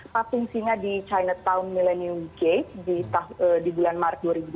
pak fungsinya di chinatown millennium gate di bulan maret dua ribu dua puluh